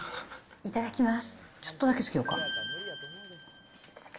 いただきます。